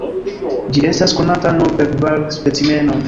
Ĝi estas konata nur per kvar specimenoj.